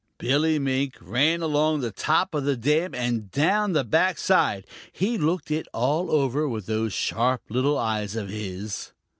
Billy Mink ran along the top of the dam and down the back side. He looked it all over with those sharp little eyes of his.